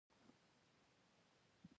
ژوندي د مور دعا ته اړتیا لري